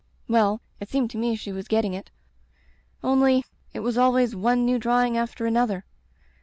"Well, it seemed to me she was getting it; only — ^it was always one new drawing after another.